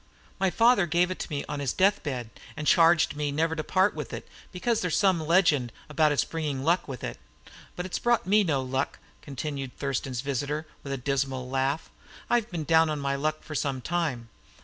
My father gave it to me on his deathbed, and charged me never to part with it, because there's some legend about its bringing luck with it. But it's brought no luck to me," continued Thurston's visitor, with a dismal laugh. "I've been down on my luck for some time.